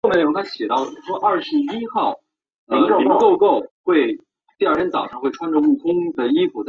股市在万点封关